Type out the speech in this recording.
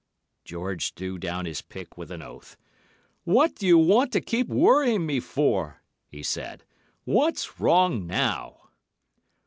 "George threw down his pick with an oath. "'What do you want to keep worrying me for?' he said. 'What's wrong now?